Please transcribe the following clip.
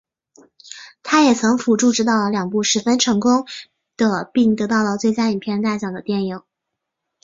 他也曾辅助执导了两部十分成功的并得到最佳影片大奖的电影。